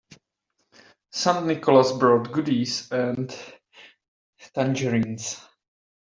St. Nicholas brought goodies and tangerines.